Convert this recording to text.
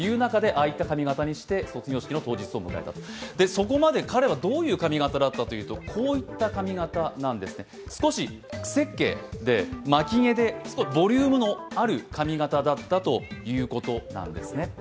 そこまで彼はどういう髪形だったというとこういった髪形なんですね、少し癖毛で、巻き毛で、ボリュームのある髪形だったということなんですね。